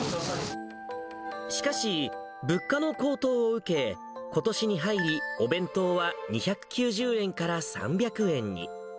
しかし、物価の高騰を受け、ことしに入りお弁当は２９０円から３００円に。